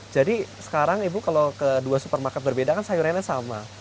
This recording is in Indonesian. jadi sekarang ibu kalau kedua supermarket berbeda kan sayurannya sama